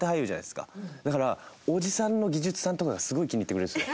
だからおじさんの技術さんとかがすごい気に入ってくれるんですよ。